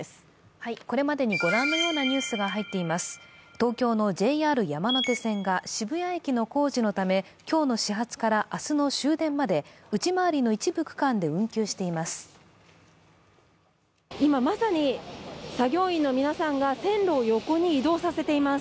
東京のＪＲ山手線が渋谷駅の工事のため今日の始発から明日の終電まで内回りの一部区間で運休しています。